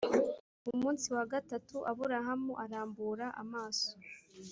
ku munsi wa gatatu aburahamu arambura amaso